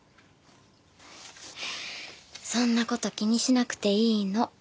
そんな事気にしなくていいの。